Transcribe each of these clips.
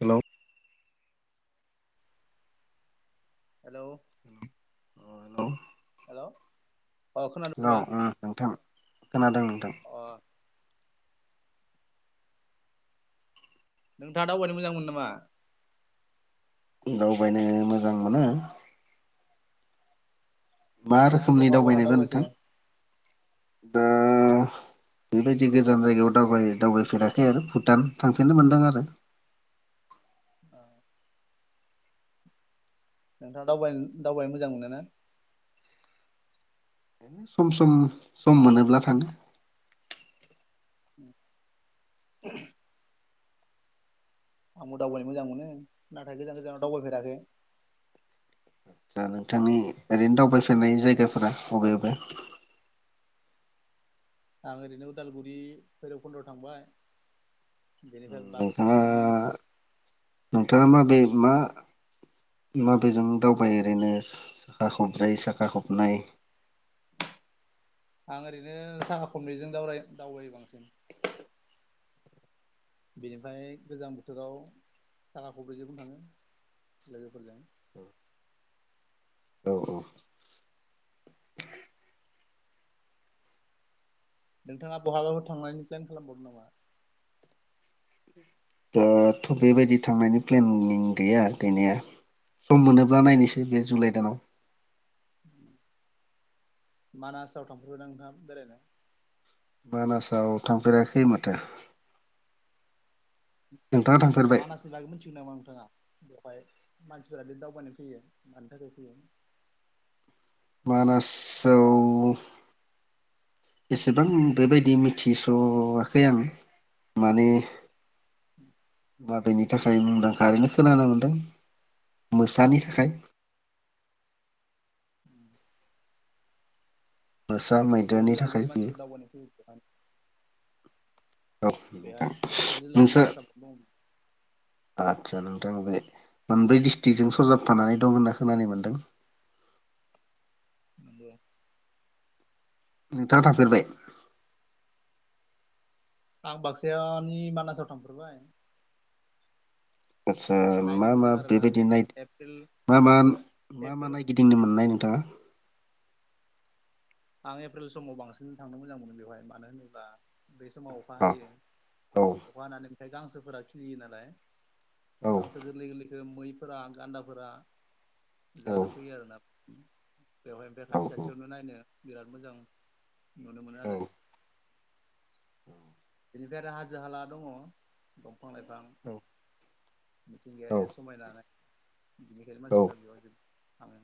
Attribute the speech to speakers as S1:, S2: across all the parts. S1: हेल'
S2: hello
S1: औ hello
S2: hello
S1: hello ओम नोंथां खोनादों नोंथां
S2: अ नोंथाङा दावबायनो मोजां मोनो नामा?
S1: दावबायनो मोजां मोनो मा
S2: नोंथाङा
S1: रोखोमनि
S2: बहा बहा
S1: दावबायनायबा
S2: दावबायखो
S1: नोंथां। दा बेबायदि गोजान जायगायाव दाव दावबायफेराखै आरो भुटान थांफेरनो मोनदों आरो। [inaudible]
S2: नोंथाङा दावबाय दावबायनो मोजां मोनो ना?
S1: सम सम सम मोनोब्ला थाङो।
S2: [inaudible] आंबो दावबायनो मोजां मोनो नाथाय गोजान गोजानाव दावबायफेराखै।
S1: आसा नोंथांनि ओरैनो दावबायफेरनाय जायगाफोरा अबे अबे
S2: आं ओरैनो उदालगुरि, भैरबखन्द्र थांबाय बेनिफ्राय
S1: नोंथाङा
S2: बाक्सानि
S1: नोंथाङा माबे मा माबेजों दावबायो ओरैनो साखा खब्रै साखा खबनै। [inaudible]
S2: आं ओरैनो साहा खबनैजों दावराय दावबायो बांसिन। बेनिफ्राय गोजां बोथोराव साखा खब्रैजोंबो थाङो लोगोफोरजों।
S1: औ औ‌।
S2: नोंथाङा बहाबाबो थांनायनि प्लेन खालामबावदों नामा।
S1: दा थ' बेबायदि थांनायनि प्लेनिं गैया गैनाया। सम मोनोब्ला नायनोसै बे जुलाइ दानाव
S2: [inaudible] मानासाव थांफेर बायना नोंथां बेरायनो?
S1: मानासाव थांफेराखै माथो। नोंथाङा थांफेरबाय
S2: मानासनि बागै मोनथिगो नामा नोंथाङा? बेवहाय मानसिफोरा दि दावबायनो फैयो मानि थाखाय फैयो?
S1: मानासाव एसेबां बेबायदि मिथिस'वाखै आं। माने
S2: [inaudible]
S1: माबेनि थाखाय मुंदांखा ओरैनो खोनानो मोनदों मोसानि थाखाय [inaudible] मोसा
S2: बहुत
S1: मैदेरनि
S2: गोजान
S1: थाखाय
S2: गोजाननि
S1: बेयो
S2: मानसिफोर दावबायनो फैयो [unintelligible]
S1: औ नोंथां
S2: बेहाय बाक्सा जिल्लानि
S1: नोंसोर
S2: आसामाव दं
S1: [inaudible] आदचा नों औ बे मोनब्रै डिस्ट्रिक्जों सरजाबफानानै दं होनना खोनानो मोनदों। [inaudible]
S2: [unintelligible]
S1: नोंथाङा थांफेरबाय?
S2: आं बाक्सायानि मानासाव थांफेरबाय।
S1: आचसा
S2: नायनो
S1: मा मा
S2: मोजां आरोना
S1: बेबायदि नाय
S2: एप्रिल
S1: मा मा, मा मा
S2: एप्रिल
S1: नायगिदिंनो मोननाय नोंथाङा?
S2: आं एप्रिल समाव बांसिन थांनो मोजां मोनो बेवहाय मानो होनोब्ला बे समाव अखा
S1: अ
S2: हायो
S1: औ
S2: अखा हानानै ओमफ्राय दा गांसोफोरा खिलियो नालाय।
S1: औ
S2: गांसो गोरलै गोरलैखो मैफोरा गान्दाफोरा
S1: औ
S2: जानो फैयो आरोना। बेवहाय ओमफ्राय
S1: औ
S2: खाथि
S1: औ
S2: खाथियावनो नायनो बिराद मोजां नुनो मोनो
S1: औ
S2: आरो। बेनिफ्राय आरो हाजो हाला दङ दंफां लाइफां
S1: औ औ
S2: मिथिंगानि समायना बिनिखायनो
S1: औ
S2: बेयावहाय जोबोर थाङो।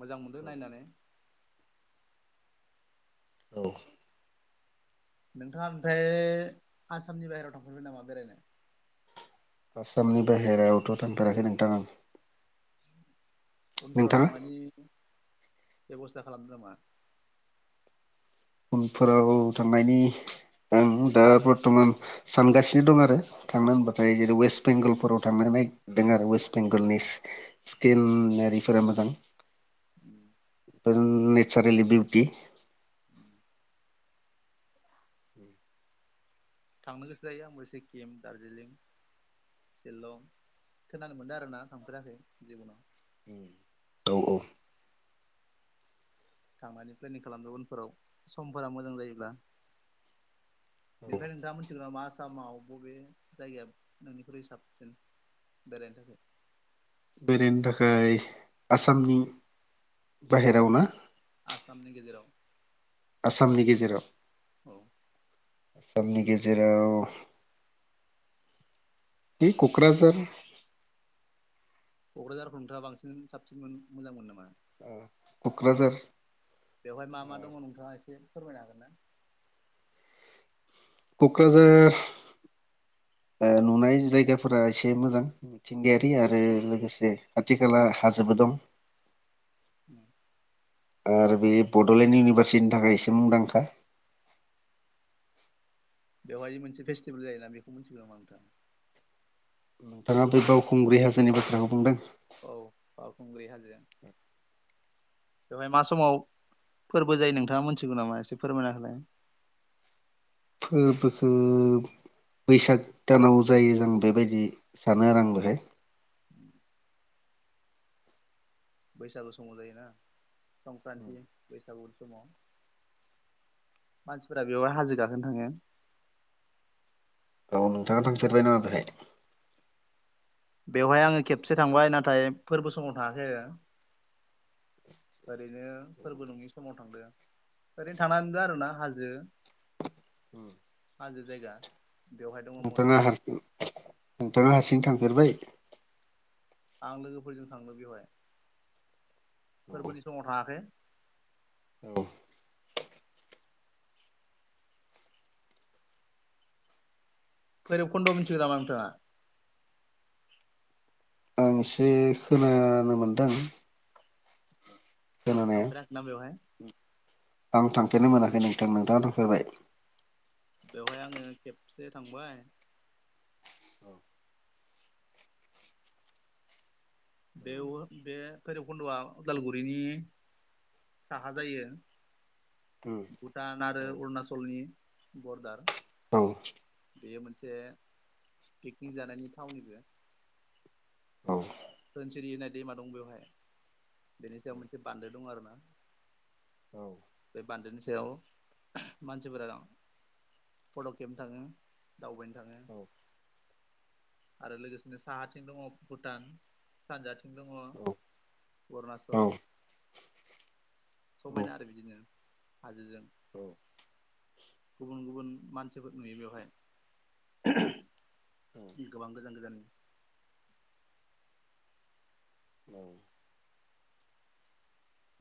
S2: मोजां मोनदों
S1: औ
S2: नायनानै। नोंथाङा ओमफ्राय आसामनि बाहेरायाव थांफेरबाय नामा बेरायनो?
S1: आसामनि बाहेरायावथ' थांफेराखै नोंथां आं।
S2: उनफोराव
S1: नोंथाङा
S2: थांनायनि, बेब'स्था खालामदों नामा?
S1: उनफोराव थांनायनि आं दा बरथमान सानगासिनो दं आरो थांनो होनबाथाय जेरै वेस्ट बेंगलफोराव थांनो होनाय। वेस्ट बेंगलनि स्केनारिफोरा मोजां। नेचारेलि बेउटि
S2: थांनो गोसो जायो आंबो सिक्किम, दार्जिलिं। सिलं खोनानो मोनदों आरोना थांफेराखै जिबनाव।
S1: औ औ
S2: थांनानै प्लेनिं खालामदों उनफोराव समफोरा मोजां जायोब्ला।
S1: [inaudible]
S2: बेनिफ्रायायनो नोंथाङा मोनथिगौ नामा आसामाव बबे जायगाया बयनिख्रुइ साबसिन? बेरायनो थाखाय
S1: बेरायनो थाखाय आसामनि बाहेराव ना?
S2: आसामनि गेजेराव
S1: आसामनि गेजेराव
S2: औ
S1: आसामनि गेजेराव बे क'क्राझार
S2: क'क्राझारफोराव नोंथाङा बांसिन साबसिन मोजां मोनो नामा?
S1: ओ क'क्राझार
S2: बेवहाय मा मा दङ नोंथाङा एसे फोरमायनो हागोन ना?
S1: क'क्राझार ओ नुनाय जायगाफोरा एसे मोजां मिथिंगायारि आरो लोगोसे आथिखाला हाजोबो दं
S2: [inaudible]
S1: आरो बे बड'लेण्ड इउनिभारसिटिनि थाखाय एसे मुंदांखा
S2: बेवहाय मोनसे फेस्टिभेल जायोना बेखौ मिथिगौ नामा नोंथाङा
S1: नोंथाङा बै बावखुंग्रि हाजोनि बाथ्राखौ बुंदों
S2: औ बावखुंग्रि हाजो बेवहाय मा समाव फोरबो जायो नोंथाङा मोनथिगौ नामा एसे फोरमायना होलाय
S1: फोरबोखो बैसाग दानाव जायो जों बेबायदि सानो आरो आं बेहाय
S2: बैसागु समाव जायोना संक्रान्ति बैसागु समाव मानसिफोरा बेयावहा हाजो गाखोनो थाङो
S1: औ नोंथाङा थांफेरबाय ना बेहाय
S2: बेवहाय आङो खेबसे थांबाय नाथाय फोरबो समाव थाङाखै ओरैनो फोरबो नङि समाव थांदों ओरैनो थांना नुदो आरोना हाजो
S1: उम
S2: हाजो जायगा बेवहाय दङ
S1: नोंथाङा
S2: मन्दिर
S1: हार नोंथाङा हारसिं थांफेरबाय
S2: आं लोगोफोरजों थांदो बेवहाय फोरबोनि समाव थाङाखै
S1: औ
S2: बैरोबखन्द' मिथिबाय नामा नोंथाङा
S1: आं एसे खोनानो मोनदों खोनानाया
S2: थांपेराखै ना बेवहाय
S1: आं थांफेरनो मोनाखै नोंथां। नोंथाङा थांफेरबाय?
S2: बेवहाय आङो खेबसे थांबाय बेवयो बे भैरबकुन्द'आ उदालगुरिनि साहा जायो। भुटान आरो अरुणाचलनि बरडार।
S1: औ
S2: बेयो मोनसे पिकनिक जानायनि थावनिबो।
S1: औ औ
S2: सोनसिरि होननाय दैमा दं बेवहाय। बेनि
S1: औ
S2: सायाव मोनसे बान्दो दं आरोना। बे बान्दोनि सायाव मानसिफोरा फट' खेबनो थाङो दावबायनो थाङो आरो लोगोसेनो साहाथिं दङ भुटान। सानजाथिं दङ
S1: औ औ
S2: अरुणाचल।
S1: औ
S2: समायना आरो बिदिनो हाजोजों। गुबुन गुबुन मानसिफोर नुयो बेवहाय। गोबां गोजान गोजाननि।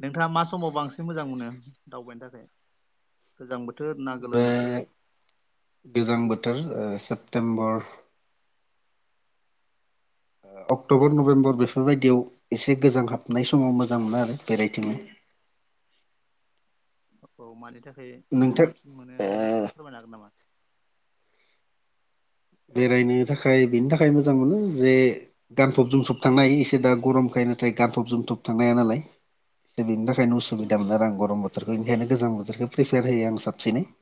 S2: नोंथाङा मा समाव बांसिन मोजां मोनो दावबायनो थाखाय? गोजां बो
S1: बे गोजां बोथोर ओ सेप्तेम्बर ओ अक्ट'बर, नभेम्बर बेफोरबायदियाव एसे गोजां हाबनाय समाव मोजां मोनो आरो बेरायथिंनो। [inaudible]
S2: औ मानि थाखाय नोङो
S1: नोंथां
S2: साबसिन मोनो
S1: ओ
S2: नों एसे फोरमायनो हागोन नामा?
S1: बेरायनो थाखाय बेनि थाखाय मोजां मोनो जे गानफब जोमफब थांनो हायो। एसे दा गरमखाय नाथाय गानफब जोमफब थांनो हाया नालाय दा बेनि थाखायनो उसुबिदा मोनो आरो आं गरम बोथोरखौ बेनिखायनो गोजां बोथोरखौ प्रिफेयार होयो आं साबसिनै। [inaudible]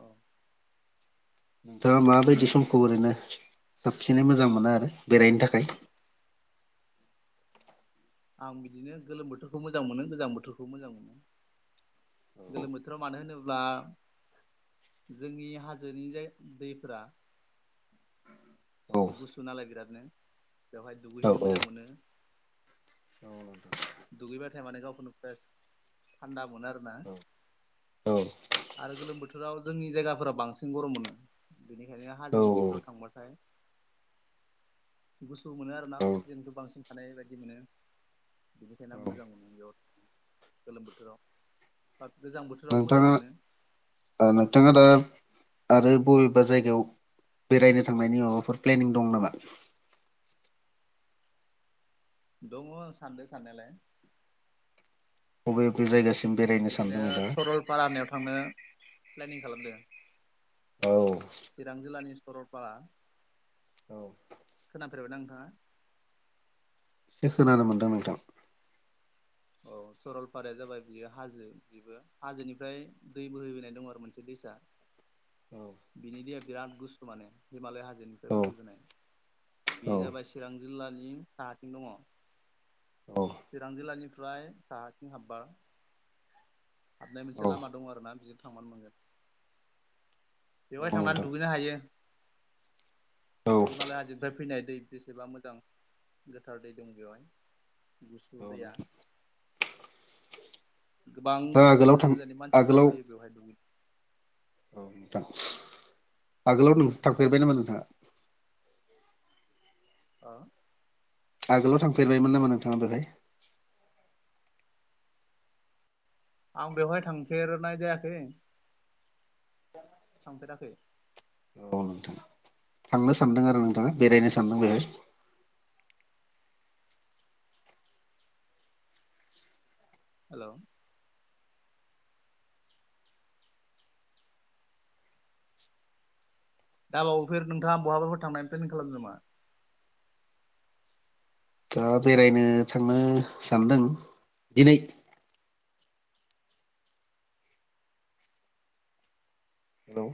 S2: औ
S1: नोंथाङा माबायदि समखौ ओरैनो, साबसिनै मोजां मोनो आरो बेरायनो थाखाय?
S2: आं बिदिनो गोलोम बोथोरखौ मोजां मोनो गोजां बोथोरखौ मोजां मोनो। गोलोम बोथोराव मानो होनोब्ला जोंनि हाजोनि जाय दैफोरा,
S1: औ
S2: गुसु नालाय बिरादनो बेवहाय
S1: औ
S2: दुगैहैनो
S1: औ
S2: मोजां मोनो।
S1: औ नोंथां
S2: दुगैबाथाय माने गावखौ फ्रेस थान्दा, मोनो आरोना?
S1: औ
S2: आरो गोलोम बोथोराव। जोंनि जायगाफोरा बांसिन गरम मोनो। बेनिखायनो हाजो
S1: औ
S2: गुरिफोराव थांबाथाय, गुसु मोनो आरोना
S1: औ
S2: अक्सिजेनखौ बांसिन थानाय बायदि मोनो। बिनिखायनो आं
S1: औ
S2: मोजां मोनो बे गोलोम बोथोराव। गोजां बोथोराव मोजां
S1: नोंथाङा
S2: मोनो
S1: ओ नोंथाङा दा, आरो बबेबा जायगायाव बेरायनो थांनायनि माबाफोर प्लेनिं दं नामा? [inaudible]
S2: दङ सानदो साननायालाय।
S1: अबे अबे जायगासि
S2: बिदिनो सरलपारानियाव थांनो प्लेनिं खालामदों।
S1: औ
S2: चिरां जिल्लानि सरलपारा।
S1: औ
S2: थांफेरबायना नोंथाङा?
S1: एसे खोनानो मोनदों नोंथां।
S2: औ
S1: [inaudible]
S2: सरलपाराया जाबाय बियो हाजो बेबो। हाजोनिफ्राय दै बोहैबोनाय दं आरो मोनसे दैसा।
S1: औ
S2: बिनि दैया बिराद गुसु माने हिमालय हाजो हाजोनिफ्राय
S1: औ
S2: बोहैबोनाय बे
S1: औ
S2: जाबाय चिरां जिल्लानि साहाथिं दङ
S1: औ
S2: चिरां जिल्लानिफ्राय साहाथिं हाब्बा, हाबनाय मोनसे लामा दं आरो ना बिजों थांनानै मोनगोन
S1: औ
S2: बेवहाय थांनानै
S1: नोंथां
S2: दुगैनो हायो।
S1: औ
S2: हिमालय हाजोनिफ्राय फैनाय दै बेसेबा मोजां गोथार दै दं बेवहाय गुसु दैया
S1: [unintelligible]
S2: गोबां
S1: नोंथाङा आगोलाव थां
S2: गोजान गोजाननि मानसिफोरा
S1: आगोलाव
S2: फैयो बेवहाय दुगै
S1: औ नोंथां आगोलाव थांफेरबाय नामा नोंथाङा?
S2: ओ
S1: आगोलाव थांफेरबायमोन नामा नोंथाङा बेहाय?
S2: आं बेवहाय थांफेरनाय जायाखै, थांफेराखै
S1: औ नोंथां थांनो सानदों आरो नोंथाङा बेरायनो सानदों बेहाय,
S2: हेलौ दाबावैफोर नोंथाङा बहाबाफोर थांनानै प्लेनिं खालामदो नामा?
S1: दा बेरायनो थांनो सानदों दिनै हेलौ!